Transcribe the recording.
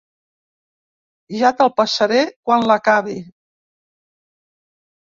Ja te'l passaré quan l'acabi.